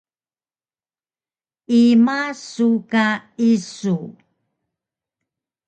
Ima su ka isu?